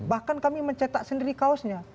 bahkan kami mencetak sendiri kaosnya